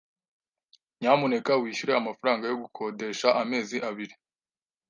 Nyamuneka wishyure amafaranga yo gukodesha amezi abiri.